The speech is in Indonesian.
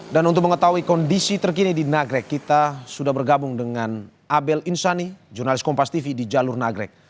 dan untuk mengetahui kondisi terkini di nagrek kita sudah bergabung dengan abel insani jurnalis kompas tv di jalur nagrek